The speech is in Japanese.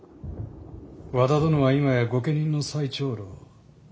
和田殿は今や御家人の最長老。